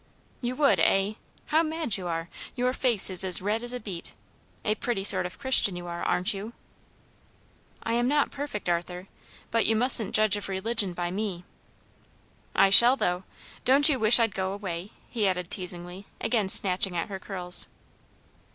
"You would, eh? How mad you are; your face is as red as a beet. A pretty sort of Christian you are, aren't you?" "I am not perfect, Arthur; but you mustn't judge of religion by me." "I shall, though. Don't you wish I'd go away?" he added teasingly, again snatching at her curls.